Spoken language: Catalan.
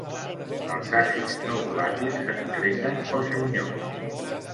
Els àcids no volàtils s'excreten pels ronyons.